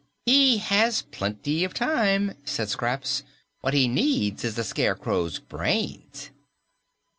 "He has plenty of time," said Scraps. "What he needs is the Scarecrow's brains."